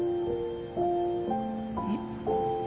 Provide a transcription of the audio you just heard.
えっ？